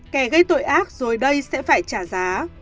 kẻ gây tội ác rồi đây sẽ phải trả giá